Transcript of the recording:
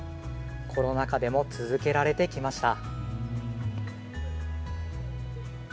コロナ禍でも続けてきました。